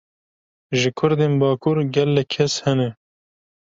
Ji Kurdên bakur, gelek kes hene